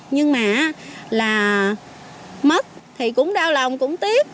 nhưng mà là mất thì cũng đau lòng cũng tiếc